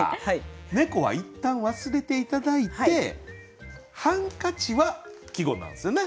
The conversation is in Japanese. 猫は一旦忘れて頂いてハンカチは季語なんですよね？